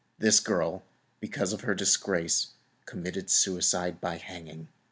This girl, because of her disgrace, committed suicide by hanging.